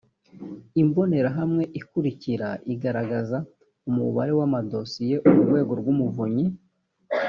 imbonerahamwe ikurikira iragaragaza umubare w amadosiye urwego rw umuvunyi